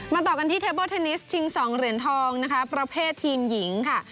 ต่อกันที่เทเบิลเทนนิสชิง๒เหรียญทองนะคะประเภททีมหญิงค่ะ